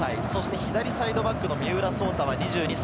左サイドバックの三浦颯太は２２歳。